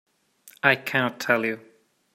I cannot tell you.